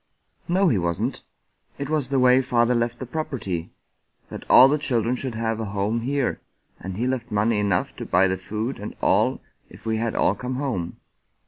" No, he wasn't." " It was the way father left the property — that all the children should have a home here — and he left money enough to buy the food and all if we had all come home."